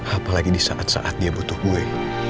apalagi disaat saat dia butuh gue